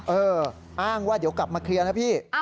เอออ้างว่าเดี๋ยวกลับมาเคลียร์นะพี่